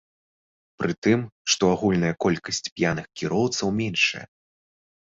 Пры тым, што агульная колькасць п'яных кіроўцаў меншае.